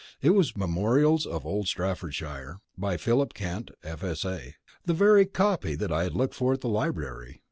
It was "Memorials of Old Staffordshire," by Philip Kent, F.S.A., the very copy that I had looked for at the Library.